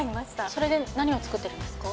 それで何を作ってるんですか？